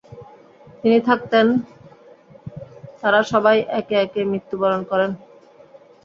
তিনি থাকতেন তারা সবাই একে একে মৃত্যুবরণ করেন।